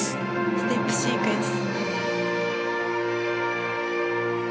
ステップシークエンス。